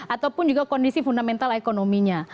ataupun juga kondisi fundamental ekonominya